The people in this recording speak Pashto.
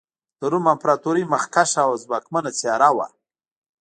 د روم امپراتورۍ مخکښه او ځواکمنه څېره وه.